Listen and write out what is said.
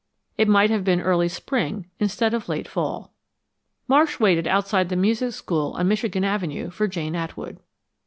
It might have been early spring instead of late fall. Marsh waited outside the music school on Michigan Avenue for Jane Atwood.